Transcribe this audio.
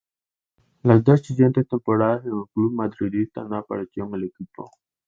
Las dos siguientes temporadas en el club madridista no apareció en el equipo.